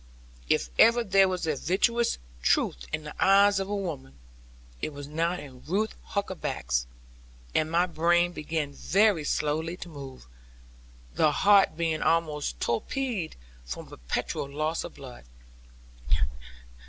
If ever there was virtuous truth in the eyes of any woman, it was now in Ruth Huckaback's: and my brain began very slowly to move, the heart being almost torpid from perpetual loss of blood.